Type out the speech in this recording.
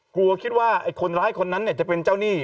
กลัวคิดว่าไอ้คนร้ายคนนั้นจะเป็นเจ้าหนี้